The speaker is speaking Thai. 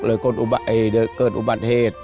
คนเกิดอุบัติเหตุ